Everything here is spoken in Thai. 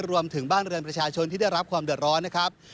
รวมถึงบ้านเรือนประชาชนที่ได้รับความเดือดร้อนนะครับ